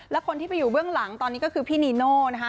และคนที่ไปอยู่เบื้องหลังตอนนี้ก็คือพี่นีโน่นะคะ